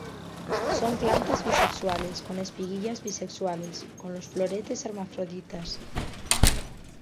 Son plantas bisexuales, con espiguillas bisexuales; con los floretes hermafroditas.